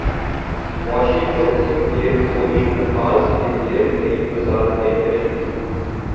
معاشی پالیسیوں کے فوری نفاذ کیلئے نئی وزارتیں تشکیل